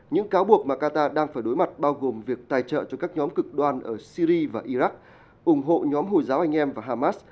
những cáo buộc mà qatar đang phải đối mặt bao gồm việc tài trợ cho các nhóm cực đoan ở syri và iraq ủng hộ nhóm hồi giáo anh em và hamas